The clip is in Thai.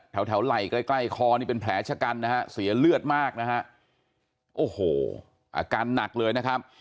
แถวไหล่ใกล้คอนี่เป็นแผลชะกันเสียเลือดมากโอ้โหอาการหนักเลยนะครับ